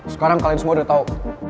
sekarang kalian semua udah tahu